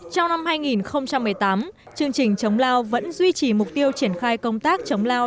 trong năm hai nghìn một mươi tám chương trình chống lao vẫn duy trì mục tiêu triển khai công tác chống lao